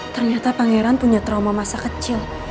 ternyata pangeran punya trauma masa kecil